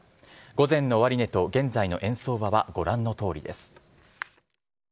午前の終値と現在の円相場はご覧のとおりです。